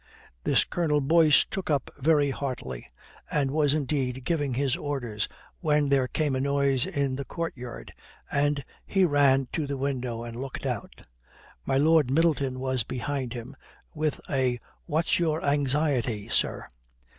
This Colonel Boyce took up very heartily, and was indeed giving his orders when there came a noise in the courtyard and he ran to the window and looked out. "My Lord Middleton was behind him, with a 'What's your anxiety, sir?'